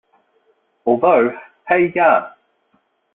Although Hey Ya!